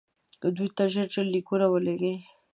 دوی ته ژر ژر لیکونه ولېږو.